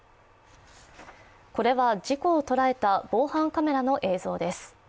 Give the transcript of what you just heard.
これは事故を捉えた防犯カメラの映像です。